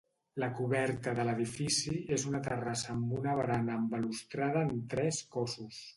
La coberta de l'edifici és una terrassa amb una barana amb balustrada en tres cossos.